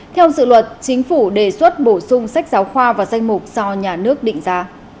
theo sự luật chính phủ đề xuất bổ sung sách giáo khoa và danh mục do nhà nước định giá